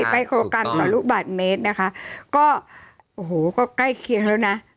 ใกล้โครกรัมต่อลูกบาทเมตรนะคะก็โอ้โหก็ใกล้เคียงแล้วนะ